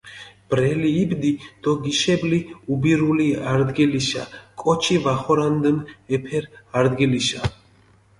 ბრელი იბდი დო გიშებლი უბირული არდგილიშა, კოჩი ვახორანდჷნ ეფერ არდგილიშა.